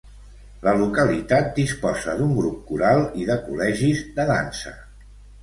La localitat disposa d'un grup coral i de col·legis de dansa.